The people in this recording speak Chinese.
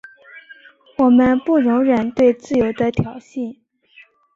我们不容忍对自由的挑衅。